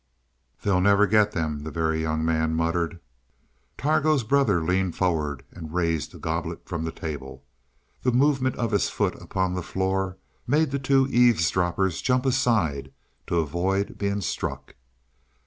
"They'll never get them," the Very Young Man muttered. Targo's brother leaned forward and raised a goblet from the table. The movement of his foot upon the floor made the two eavesdroppers jump aside to avoid being struck.